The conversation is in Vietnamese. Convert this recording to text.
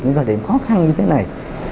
những cái thời điểm khó khăn như thế này